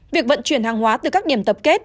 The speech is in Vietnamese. việc vận chuyển hàng hóa từ các điểm tập kết